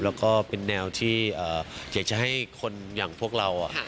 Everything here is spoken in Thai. แล้วก็เป็นแนวที่อยากจะให้คนอย่างพวกเรา